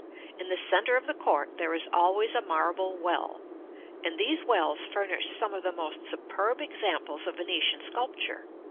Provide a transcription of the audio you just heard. In the centre of the court there is always a marble well; and these wells furnish some of the most superb examples of Venetian sculpture.